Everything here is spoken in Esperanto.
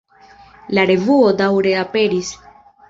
La revuo daŭre aperis.